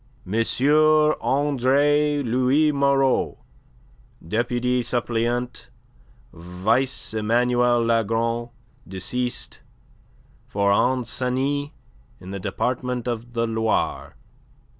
"M. Andre Louis Moreau, deputy suppleant, vice Emmanuel Lagron, deceased, for Ancenis in the Department of the Loire."